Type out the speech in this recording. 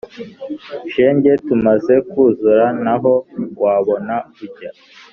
shenge tumaze kuzura ntaho wabona ujya,